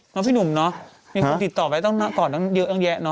แล้วพี่หนุ่มเนอะมีคนติดต่อไปต้องก่อนนางเยอะเนอะ